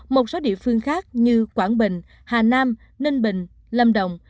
một số địa phương khác như quảng bình hà nam ninh bình lâm đồng